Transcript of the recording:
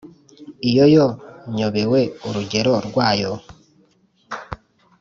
Iyi yo nyobewe urugero rwayo.